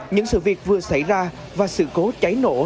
những sự việc vừa xảy ra và sự cố cháy nổ